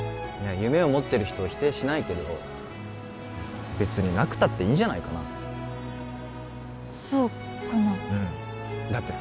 夢を持ってる人を否定しないけど別になくたっていいんじゃないかなそうかな？